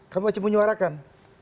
kamu aja menyuarakan